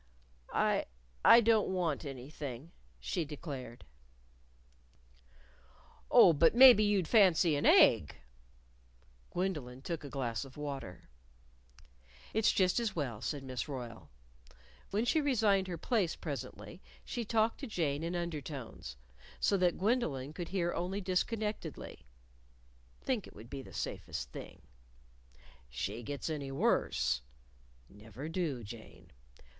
"I I don't want anything," she declared. "Oh, but maybe you'd fancy an egg." Gwendolyn took a glass of water. "It's just as well," said Miss Royle. When she resigned her place presently, she talked to Jane in undertones, so that Gwendolyn could hear only disconnectedly: "...Think it would be the safest thing ... she gets any worse.... Never do, Jane